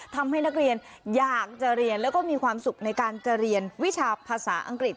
ทำให้นักเรียนอยากจะเรียนแล้วก็มีความสุขในการจะเรียนวิชาภาษาอังกฤษ